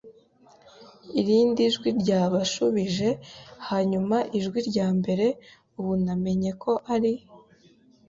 Irindi jwi ryarashubije, hanyuma ijwi rya mbere, ubu namenye ko ari